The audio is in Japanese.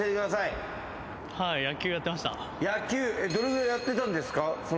どれぐらいやってたんですか？